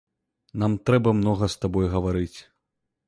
Нам трэба многа з табой гаварыць.